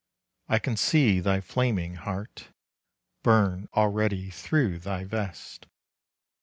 I can see thy flaming heart Burn already through thy vest.